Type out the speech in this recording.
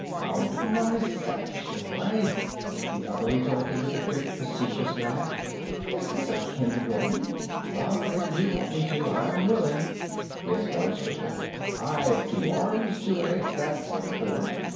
"Count myself, should I?" the other retorted with a quick facetious laugh. "Is this a kindergarten? But if you want me to, I'm willing." His voice was rapid. "I've two arms, and two legs, that's four.